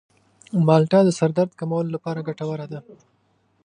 مالټه د سر درد کمولو لپاره ګټوره ده.